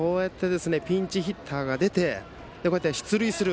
ピンチヒッターが出て出塁する。